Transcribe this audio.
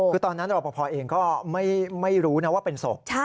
คือตอนนั้นรอปภเองก็ไม่รู้นะว่าเป็นศพ